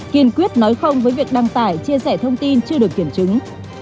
kiên quyết nói không với việc đăng tải chia sẻ thông tin chưa được kiểm chứng